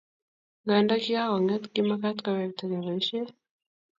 nganda kikakonget kimakat kowektakei poishet